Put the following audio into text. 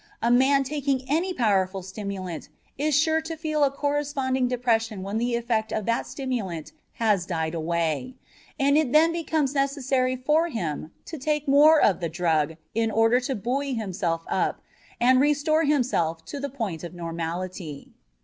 A man taking any powerful stimulant is sure to feel a corresponding depression when the effect of that stimulant has died away, and it then becomes necessary for him to take more of the drug in order to buoy himself up and restore himself to the point of normality.